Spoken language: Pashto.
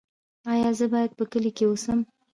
ایا زه باید په کلي کې اوسم؟